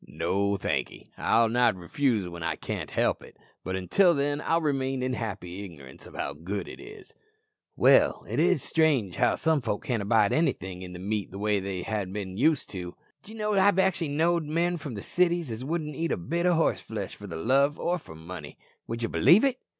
"No, thankee; I'll not refuse when I can't help it, but until then I'll remain in happy ignorance of how good it is." "Well, it is strange how some folk can't abide anything in the meat way they ha'n't bin used to. D'ye know I've actually knowed men from the cities as wouldn't eat a bit o' horseflesh for love or money. Would ye believe it?"